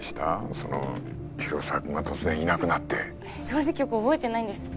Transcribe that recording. その広沢君が突然いなくなって正直よく覚えてないんです